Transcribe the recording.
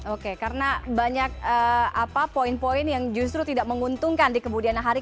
oke karena banyak poin poin yang justru tidak menguntungkan di kemudian hari